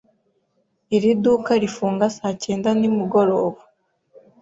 Iri duka rifunga saa cyenda nimugoroba.